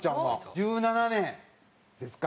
１７年ですか？